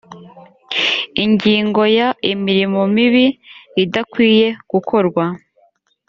ingingo ya imirimo mibi idakwiye gukorwa